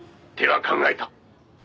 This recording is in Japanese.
手は考えた」